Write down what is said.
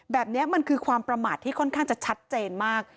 แบบนี้มันคือความประมาทที่ค่อนข้างจะชัดเจนมาก